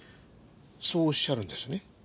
そうおっしゃるんですね。